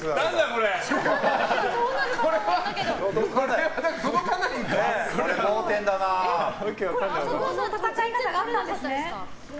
こういう戦い方があったんですね。